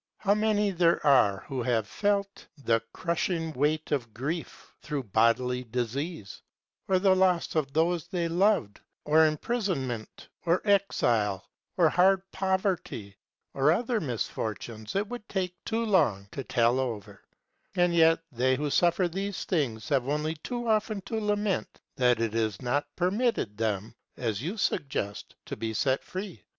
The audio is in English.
How many there are who have felt the crushing weight of grief, through bodily disease, or the loss of those they loved, or imprisonment, or exile, or hard poverty, or other misfortunes it would take too long to tell over; and yet they who suffer these things have only too often to lament that it is not permitted them, as you suggest, to be set free.